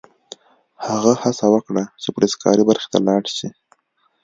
هغه هڅه وکړه چې فلزکاري برخې ته لاړ شي